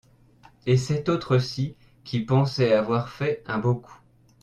Et cet autre-ci qui pensait avoir fait un beau coup.